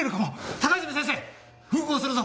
高泉先生吻合するぞ！